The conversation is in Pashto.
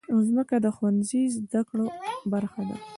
مځکه د ښوونځي زدهکړو برخه ده.